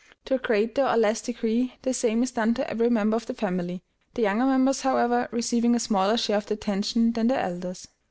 To a greater or less degree, the same is done to every member of the family, the younger members, however, receiving a smaller share of the attention than their elders.